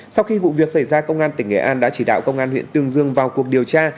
sau khi vụ việc xảy ra công an tỉnh nghệ an đã chỉ đạo công an huyện tương dương vào cuộc điều tra